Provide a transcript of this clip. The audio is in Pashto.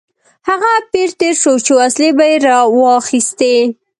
هغه پیر تېر شو چې وسلې به یې راواخیستې.